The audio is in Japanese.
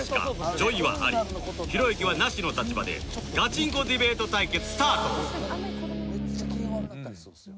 ＪＯＹ はアリひろゆきはナシの立場でガチンコディベート対決スタート！